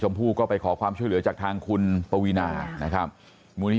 ผู้ก็ไปขอความช่วยเหลือจากทางคุณปวีนานะครับมูลนิ